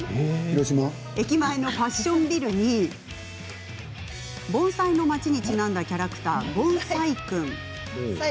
駅前のファッションビルに盆栽の街にちなんだキャラクターぼんサイくん。